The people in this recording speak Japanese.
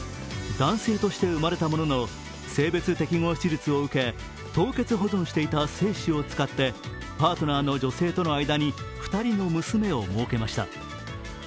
男性として生まれたものの性別適合手術を受け、凍結保存していた精子を使ってパートナーの女性との間に２人の娘をもうけました。